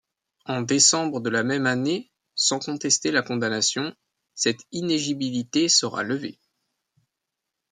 En décembre de la même année, sans contester la condamnation, cette inéligibilité sera levée.